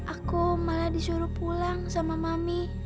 aku malah disuruh pulang sama mami